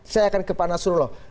saya akan ke pak nasrullah